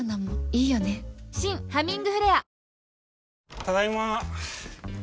ただいま。